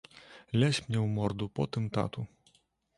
Лясь мне ў морду, потым тату.